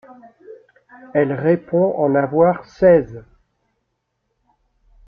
Elle répond en avoir seize.